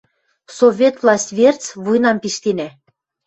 – Совет власть верц вуйнам пиштенӓ!..